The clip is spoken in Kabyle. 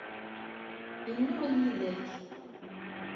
Yennuɣ yid-k?